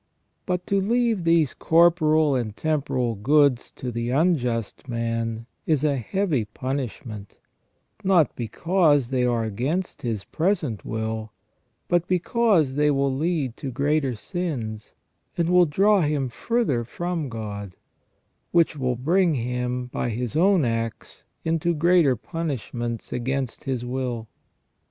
But to leave these corporal and temporal goods to the unjust man is a heavy punishment, not because they are against his present will, but because they will lead to greater sins, and will draw him further from God, which will bring him by his own acts into greater punishments against his will.